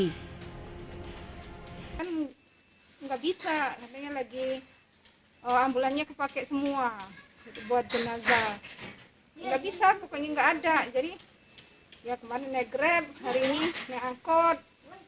tidak bisa pokoknya tidak ada jadi kemarin saya grab hari ini saya angkut